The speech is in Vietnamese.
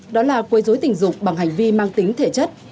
đó là quấy dối tình dục bằng hành vi mang tính thể chất